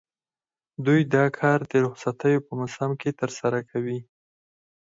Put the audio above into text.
دوی دا کار د رخصتیو په موسم کې ترسره کوي